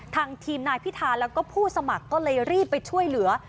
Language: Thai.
ทางทีมนายพิธาแล้วก็ผู้สมัครก็เลยรีบไปช่วยเหลือ